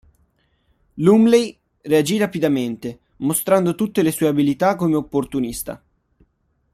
Lumley reagì rapidamente, mostrando tutte le sue abilità come opportunista.